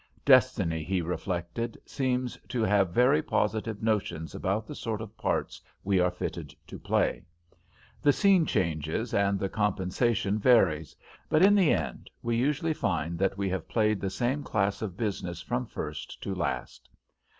Destiny, he reflected, seems to have very positive notions about the sort of parts we are fitted to play. The scene changes and the compensation varies, but in the end we usually find that we have played the same class of business from first to last.